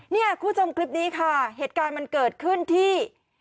คุณผู้ชมคลิปนี้ค่ะเหตุการณ์มันเกิดขึ้นที่